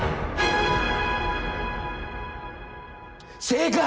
正解！